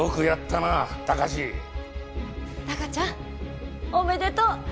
たかちゃんおめでとう。